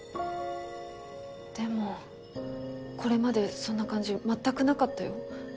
でもこれまでそんな感じ全くなかったよ。